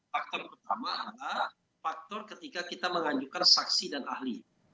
faktor pertama adalah faktor ketika kita mengajukan saksi dan ahli